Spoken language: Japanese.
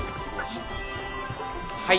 はい。